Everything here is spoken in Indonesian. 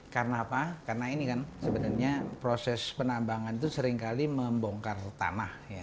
karena apa karena ini kan sebenarnya proses penambangan itu seringkali membongkar tanah